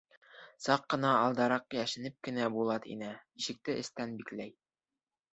Саҡ ҡына алдараҡ йәшенеп кенә Булат инә, ишекте эстән бикләй.